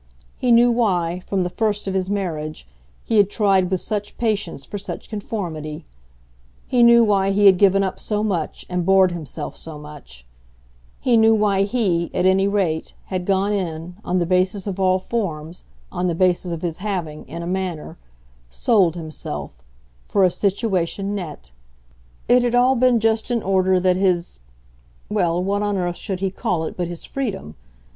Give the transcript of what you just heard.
He knew why, from the first of his marriage, he had tried with such patience for such conformity; he knew why he had given up so much and bored himself so much; he knew why he, at any rate, had gone in, on the basis of all forms, on the basis of his having, in a manner, sold himself, for a situation nette. It had all been just in order that his well, what on earth should he call it but his freedom?